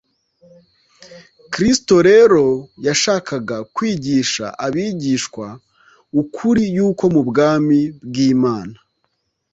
Kristo rero yashakaga kwigisha abigishwa ukuri yuko mu Bwami bw’Imana